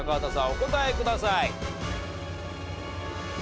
お答えください。